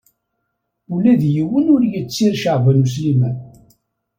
Ula d yiwen ur yettir Caɛban U Sliman.